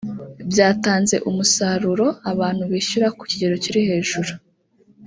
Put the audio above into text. byatanze umusaruro abantu bishyura ku kigero kiri hejuru